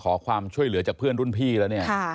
ขอความช่วยเหลือจากเพื่อนรุ่นพี่แล้วเนี่ย